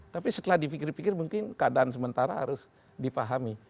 tapi setelah dipikir pikir mungkin keadaan sementara harus dipahami